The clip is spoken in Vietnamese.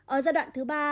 ở giai đoạn thứ ba